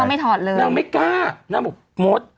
ต้องไม่ถอดเริ่มนางไม่กล้านางบอกโม๊ต